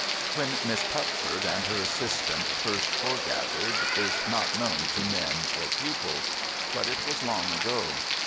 When Miss Pupford and her assistant fust foregathered, is not known to men, or pupils. But, it was long ago.